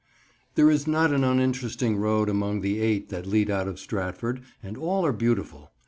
THERE is not an uninteresting road among the eight that lead out of Stratford, and all are beautiful.